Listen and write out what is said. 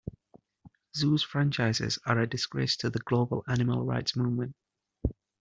Zoos franchises are a disgrace to the global animal rights movement.